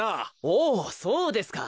おおそうですか。